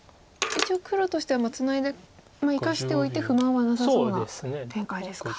一応黒としてはツナいで生かしておいて不満はなさそうな展開ですか。